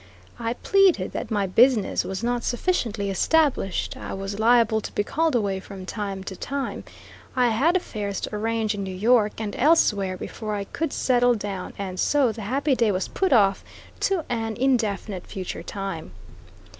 I pleaded that my business was not sufficiently established; I was liable to be called away from time to time; I had affairs to arrange in New York and elsewhere before I could settle down; and so the happy day was put off to an indefinite future time.